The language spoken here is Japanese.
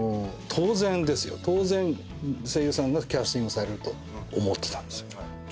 当然声優さんがキャスティングされると思ってたんです。